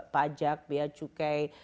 pajak biaya cukai